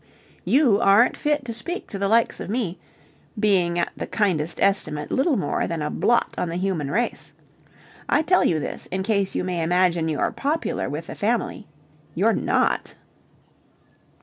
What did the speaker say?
You aren't fit to speak to the likes of me, being at the kindest estimate little more than a blot on the human race. I tell you this in case you may imagine you're popular with the Family. You're not.